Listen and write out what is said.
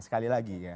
sekali lagi ya